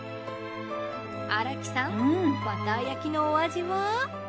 荒木さんバター焼きのお味は？